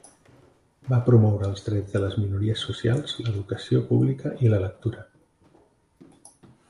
Va promoure els drets de les minories socials, l'educació pública i la lectura.